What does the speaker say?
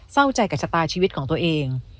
เศร้าใจกับชะตาชีวิตของตัวเอง